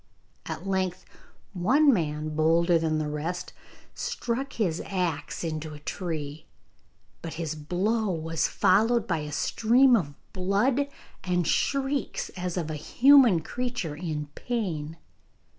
At length one man, bolder than the rest, struck his axe into a tree, but his blow was followed by a stream of blood and shrieks as of a human creature in pain.